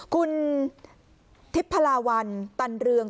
คุณทิพลาวัลตันเรือง